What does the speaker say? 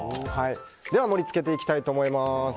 では盛り付けていきたいと思います。